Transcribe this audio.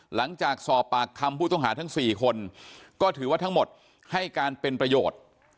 หลังจากสอบปากคำผู้ต้องหาทั้ง๔คนก็ถือว่าทั้งหมดให้การเป็นประโยชน์